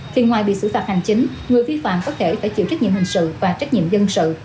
thì ngoài bị xử phạt hành chính người vi phạm có thể phải chịu trách nhiệm hình sự và trách nhiệm dân sự